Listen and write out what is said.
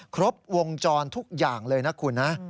ครบวงจรทุกอย่างเลยนะคุณนะ